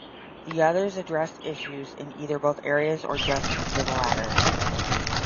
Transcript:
The others address issues in either both areas or just the latter.